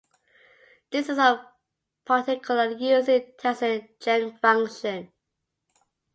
This is of particular use in testing gene function.